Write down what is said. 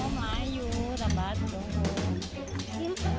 oh mayu tambah tambah